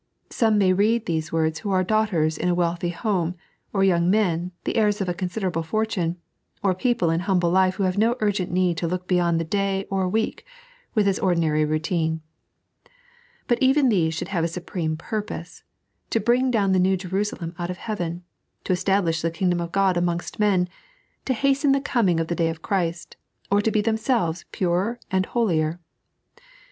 Some may read these words who are daughters in a wealthy home, or young men, the heirs of a considerable fortune, or people in bumble life who have no urgent need to look beyond the day or week with its ordinary routine ; but even these should have a supreme purpose, to bring down the New Jerusalem out of heaven, to establish the kingdom of Qod amongst men, to hasten the coming of the day of Christ, or to be themselves purer and holier.